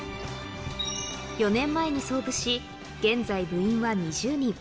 ４年前に創部し、現在部員は２０人。